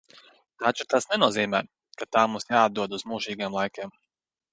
Taču tas nenozīmē, ka tā mums jāatdod uz mūžīgiem laikiem.